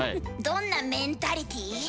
どんなメンタリティー？